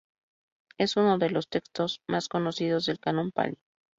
Es uno de los textos más conocidos del Canon Pali.